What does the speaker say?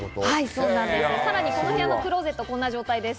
さらに、この部屋のクロゼットはこんな状態です。